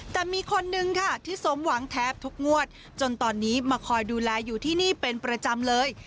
แต่มีคนนึงค่ะที่สมหวังแทบทุกงวดจนตอนนี้มาคอยดูแลอยู่ที่นี่เป็นประจำเลย